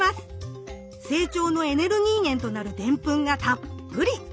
成長のエネルギー源となるデンプンがたっぷり。